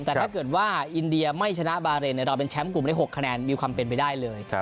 แต่ถ้าเกิดว่าอินเดียไม่ชนะบาเรนเราเป็นแชมป์กลุ่มได้๖คะแนนมีความเป็นไปได้เลย